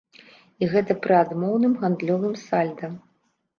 І гэта пры адмоўным гандлёвым сальда!